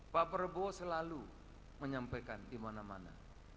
pak prabowo selalu menyampaikan di mana mana